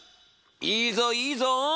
いいぞいいぞ！